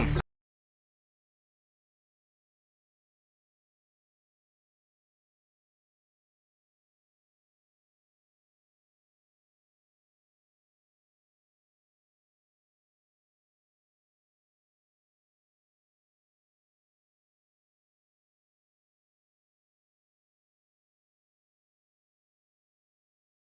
kamu sudah mencarinya